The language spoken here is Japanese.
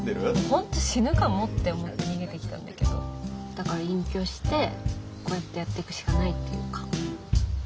本当死ぬかもって思って逃げてきたんだけどだから隠居してこうやってやってくしかないっていうか。